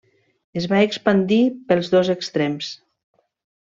Es va expandir pels dos extrems.